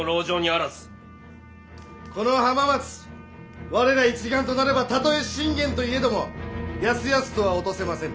この浜松我ら一丸となればたとえ信玄といえどもやすやすとは落とせませぬ。